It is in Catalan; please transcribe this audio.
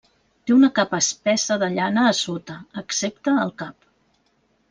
Té una capa espessa de llana a sota, excepte al cap.